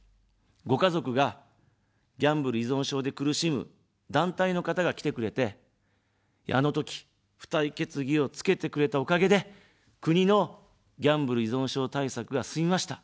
ご家族がギャンブル依存症で苦しむ団体の方が来てくれて、あのとき、付帯決議をつけてくれたおかげで国のギャンブル依存症対策が進みました。